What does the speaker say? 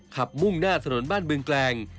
ขับมุ่งหน้าสนบ้านเบื้องแกลง